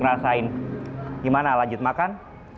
rasain gimana lanjut makan